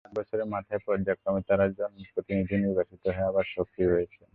সাত বছরের মাথায় পর্যায়ক্রমে তাঁরা জনপ্রতিনিধি নির্বাচিত হয়ে আবার সক্রিয় হয়েছেন।